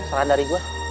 saran dari gue